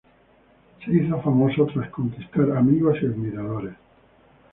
Se hizo famoso, tras conquistar amigos y admiradores.